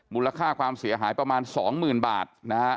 มูลค่าความเสียหายประมาณ๒หมื่นบาทนะครับ